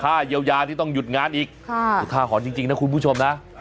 ค่าเยียวยาที่ต้องหยุดงานอีกค่ะค่าขอจริงจริงนะคุณผู้ชมนะ